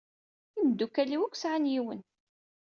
Imeddukal-iw akk sɛan yiwen.